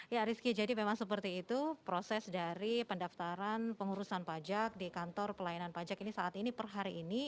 ya rizky jadi memang seperti itu proses dari pendaftaran pengurusan pajak di kantor pelayanan pajak ini saat ini per hari ini